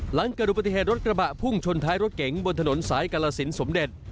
หลังเกิดอุบัติเหตุรถกระบะพุ่งชนท้ายรถเก๋งบนถนนสายกาลสินสมเด็จ